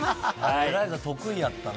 エライザ、得意やったな。